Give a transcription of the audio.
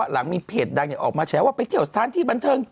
หลังมีเพจดังออกมาแฉว่าไปเที่ยวสถานที่บันเทิง